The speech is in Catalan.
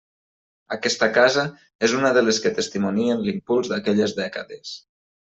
Aquesta casa és una de les que testimonien l'impuls d'aquelles dècades.